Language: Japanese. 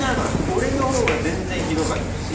俺のほうが全然ひどかったし。